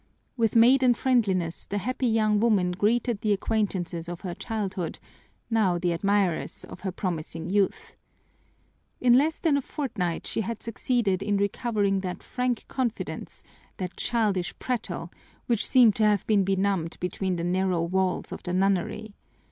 With maiden friendliness the happy young woman greeted the acquaintances of her childhood, now the admirers of her promising youth. In less than a fortnight she had succeeded in recovering that frank confidence, that childish prattle, which seemed to have been benumbed between the narrow walls of the nunnery.